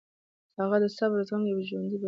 هغه د صبر او زغم یوه ژوندۍ بېلګه ده.